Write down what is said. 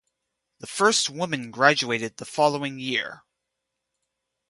The first woman graduated the following year.